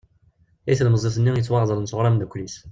I tlemẓit-nni yettwaɣedren s ɣur amddakel-is.